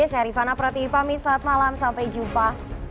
saya rifana pratiwipami selamat malam sampai jumpa